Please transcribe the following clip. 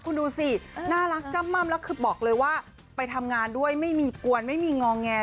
คุณดูสิน่ารักจ้ำม่ำแล้วคือบอกเลยว่าไปทำงานด้วยไม่มีกวนไม่มีงอแง